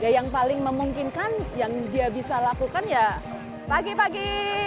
yang paling memungkinkan yang dia bisa lakukan ya pagi pagi